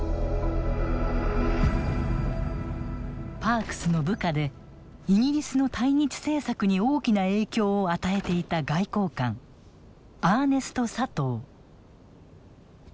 パークスの部下でイギリスの対日政策に大きな影響を与えていた外交官アーネスト・サトウ。